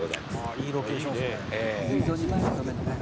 「いいロケーションですね」